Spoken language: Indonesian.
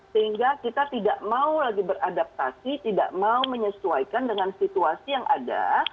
sehingga kita tidak mau lagi beradaptasi tidak mau menyesuaikan dengan situasi yang ada